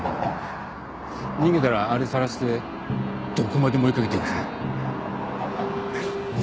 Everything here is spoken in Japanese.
逃げたらあれ晒してどこまでも追いかけてやるぞ。